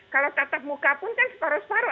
kalau tatap muka pun kan separuh separuh